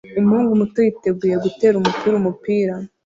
Umuhungu muto yiteguye gutera umupira umupira